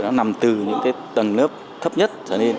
nó nằm từ những tầng lớp thấp nhất